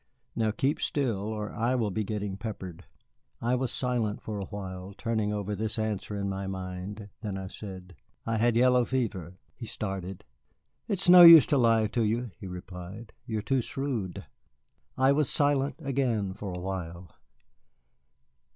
Now keep still, or I will be getting peppered." I was silent for a while, turning over this answer in my mind. Then I said: "I had yellow fever." He started. "It is no use to lie to you," he replied; "you're too shrewd." I was silent again for a while.